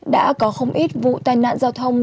đã có không ít vụ tai nạn giao thông